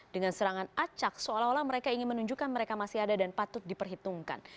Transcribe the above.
dengan serangan acak seolah olah mereka ingin menunjukkan mereka masih ada dan patut diperhitungkan